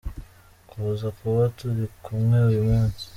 Kuza kuba turi kumwe uyu munsi.